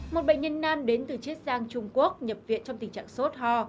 một bệnh nhân nam đến từ chiết giang trung quốc nhập viện trong tình trạng sốt ho